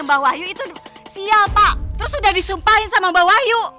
mbah wahyu itu siapa terus udah disumpahin sama mbah wahyu